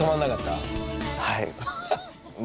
はい。